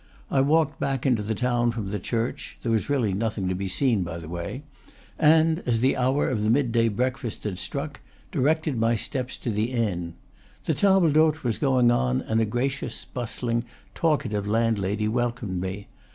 I walked back into the town from the church (there was really nothing to be seen by the way), and as the hour of the midday breakfast had struck, directed my steps to the inn. The table d'hote was going on, and a gracious, bustling, talkative landlady welcomed me.